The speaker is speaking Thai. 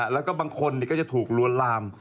แล้วก็บางคนก็จะถูกลวนลาม